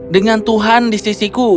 dengan tuhan di sisimu